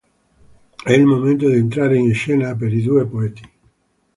È il momento di "entrare in scena" per i due poeti.